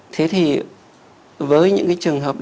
thế thì với những cái trường hợp đấy